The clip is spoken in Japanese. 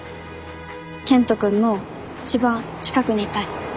健人君の一番近くにいたい。